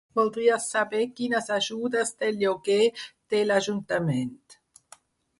Voldria saber quines ajudes de lloguer té l'Ajuntament.